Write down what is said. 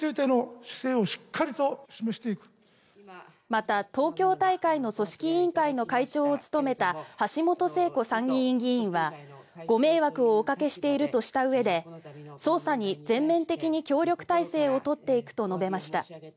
また、東京大会の組織委員会の会長を務めた橋本聖子参議院議員はご迷惑をおかけしているとしたうえで捜査に全面的に協力体制を取っていくと述べました。